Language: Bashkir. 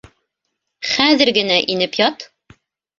Хәҙер генә инеп ят.